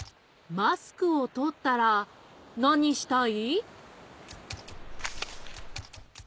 マスクをとったらなにしたい？